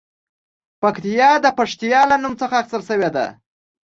پکتیا د پښتیا له نوم څخه اخیستل شوې ده